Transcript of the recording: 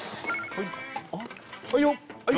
はい